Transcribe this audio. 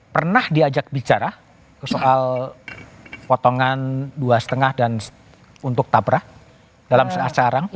pernah diajak bicara soal potongan dua lima dan untuk tabra dalam acara